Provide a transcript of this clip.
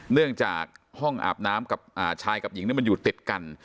เนื่องจากห้องอาบน้ำกับชายกับหญิงมันอยู่ติดกัน